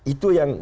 itu yang dia